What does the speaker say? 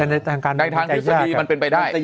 ในทางคิดสดีมันเป็นไปได้